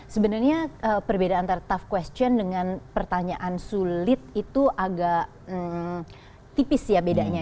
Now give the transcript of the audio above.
sebenarnya perbedaan antara tough question dengan pertanyaan sulit itu agak tipis ya bedanya